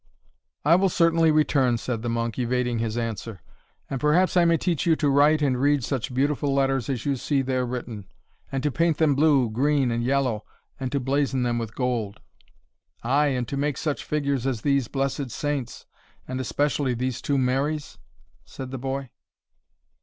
"I will certainly return," said the monk, evading his answer, "and perhaps I may teach you to write and read such beautiful letters as you see there written, and to paint them blue, green, and yellow, and to blazon them with gold." "Ay, and to make such figures as these blessed Saints, and especially these two Marys?" said the boy.